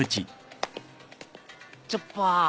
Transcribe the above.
チョッパー。